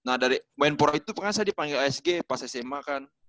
nah dari main poro itu pengen saya dipanggil asg pas sma kan